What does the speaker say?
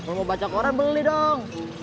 kalau mau baca koran beli dong